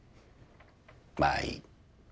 まあいい。